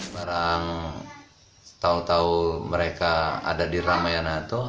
barang setahu tahu mereka ada di ramai yang satu